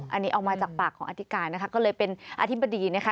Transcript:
อันนี้ออกมาจากปากของอธิการนะคะก็เลยเป็นอธิบดีนะคะ